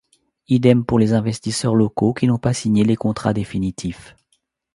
Idem pour les investisseurs locaux, qui n'ont pas signé les contrats définitifs.